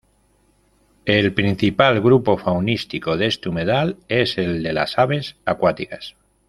El principal grupo faunístico de este humedal es el de las aves acuáticas.